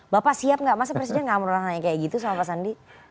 bapak siap gak masa presiden nggak pernah nanya kayak gitu sama pak sandi